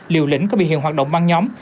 liều lĩnh có bị hiện hoạt động băng nhóm